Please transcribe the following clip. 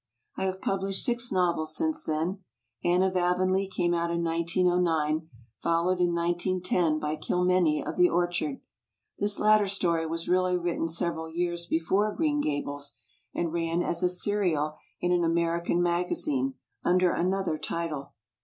I have published six novels since then. Anne ofAvonlea came out in 1909, followed in 1910 by Kilmeny of the Or chard. This latter story was really written several years before Green Gables, and ran as a serial in an American magazine, under another title.